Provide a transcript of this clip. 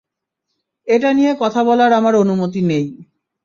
এটা নিয়ে কথা বলার আমার অনুমতি নেই।